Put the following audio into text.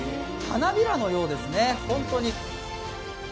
花びらのようですね、本当に。